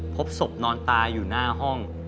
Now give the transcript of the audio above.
พบศพนอนตายอยู่หน้าห้อง